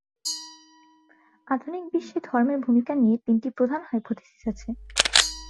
আধুনিক বিশ্বে ধর্মের ভূমিকা নিয়ে তিনটি প্রধান হাইপোথিসিস আছে।